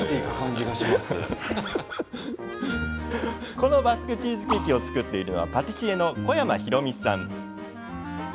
このバスクチーズケーキを作っているのはパティシエの小山弘美さん。